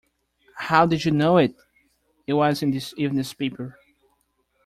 How did you know it? It was in this evening's paper.